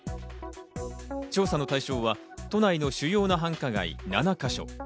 調査の対象は都内の主要な繁華街、７か所。